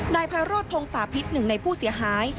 นายไพโรธพงศาพิษหนึ่งในผู้เสียหาย